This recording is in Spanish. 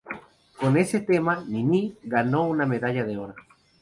Con ese tema, Niní ganó la medalla de oro.